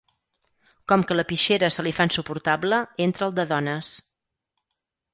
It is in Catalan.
Com que la pixera se li fa insuportable, entra al de dones.